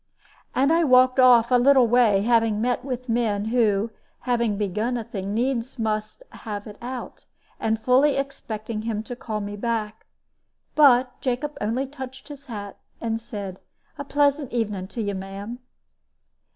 And I walked off a little way, having met with men who, having begun a thing, needs must have it out, and fully expecting him to call me back. But Jacob only touched his hat, and said, "A pleasant evening to you, ma'am."